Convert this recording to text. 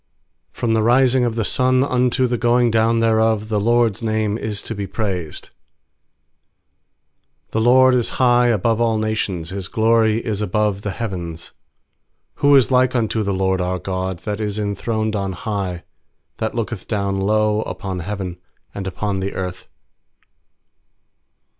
3From the rising of the sun unto the going down thereof The LORD'S name is to be praised. 4The LORD is high above all nations, His glory is above the heavens. 5Who is like unto the LORD our God, That is enthroned on high, 6That looketh down low Upon heaven and upon the earth?